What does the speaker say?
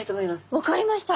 分かりました。